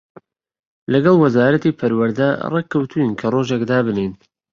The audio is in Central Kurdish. لەگەڵ وەزارەتی پەروەردە ڕێک کەوتووین کە ڕۆژێک دابنێین